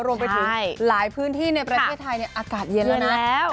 รวมไปถึงหลายพื้นที่ในประเทศไทยอากาศเย็นแล้วนะ